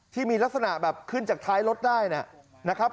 ที่มีลักษณะแบบขึ้นจากท้ายรถได้นะครับ